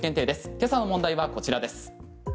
今朝の問題はこちらです。